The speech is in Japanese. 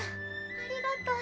ありがとう。